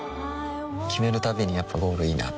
決めるたびにやっぱゴールいいなってふん